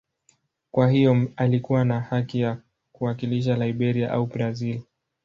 Kwa hiyo alikuwa na haki ya kuwakilisha Liberia au Brazil.